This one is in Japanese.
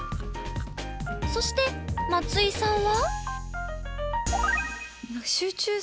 そして松井さんは。